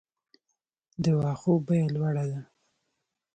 د واښو بیه لوړه ده؟